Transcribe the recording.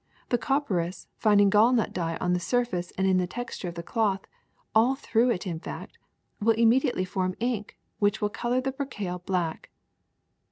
'' The copperas, finding gallnut dye on the surface and in the texture of the cloth, all through it in fact, will immediately form ink, which will color the percale black.